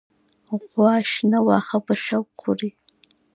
غوا شنه واخه په شوق خوری